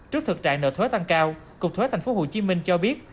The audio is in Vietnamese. trước thực trạng nợ thuế tăng cao cục thuế tp hcm cho biết